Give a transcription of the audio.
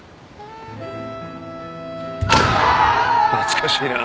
懐かしいな。